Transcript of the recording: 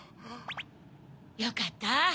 よかった。